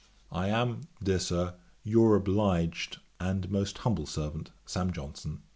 'I am, dear Sir, Your obliged and most humble servant, SAM, JOHNSON.